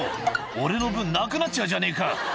「俺の分なくなっちゃうじゃねえか」